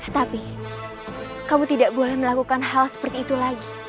tapi kamu tidak boleh melakukan hal seperti itu lagi